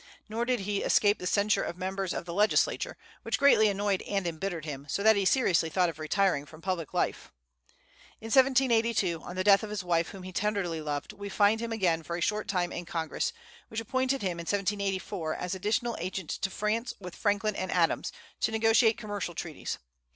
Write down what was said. Nor did he escape the censure of members of the legislature, which greatly annoyed and embittered him, so that he seriously thought of retiring from public life. In 1782, on the death of his wife, whom he tenderly loved, we find him again for a short time in Congress, which appointed him in 1784, as additional agent to France with Franklin and Adams to negotiate commercial treaties.